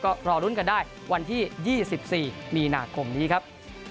ก็รอรุ้นกันได้วันที่๒๔มีนาคมนี้ครับ